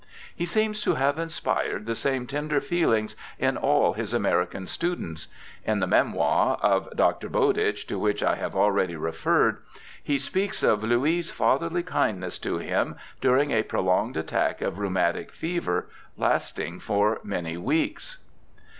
He seems to have inspired the same tender feelings in all his American students. In the Memoir of Dr. LOUIS 203 Bowditch, to which I have already referred, he speaks of Louis' fatherly kindness to him during a prolonged attack of rheumatic fever lasting for many weeks.